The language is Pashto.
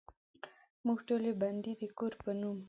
موږ ټولې بندې دکورونو په نوم،